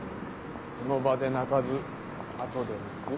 その場で泣かずあとで泣く。